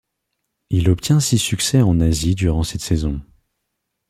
Il obtient six succès en Asie durant cette saison.